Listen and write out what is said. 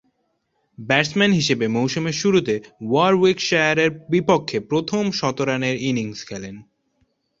Batsman হিসেবে মৌসুমের শুরুতে ওয়ারউইকশায়ারের বিপক্ষে প্রথম শতরানের ইনিংস খেলেন।